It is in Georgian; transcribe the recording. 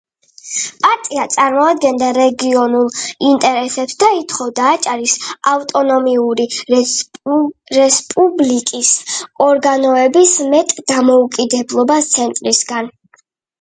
პარტია წარმოადგენდა რეგიონულ ინტერესებს და ითხოვდა აჭარის ავტონომიური რესპუბლიკის ორგანოების მეტ დამოუკიდებლობას ცენტრისგან.